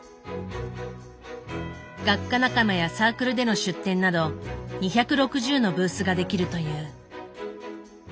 学科仲間やサークルでの出展など２６０のブースができるという。